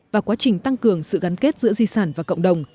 và quá trình tăng cường sự gắn kết giữa di sản và cộng đồng